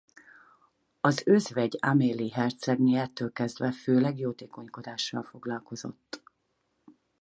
Az özvegy Amélie hercegné ettől kezdve főleg jótékonykodással foglalkozott.